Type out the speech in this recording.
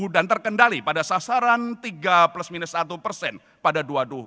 dan terkendali pada sasaran tiga plus minus satu persen pada dua ribu dua puluh dua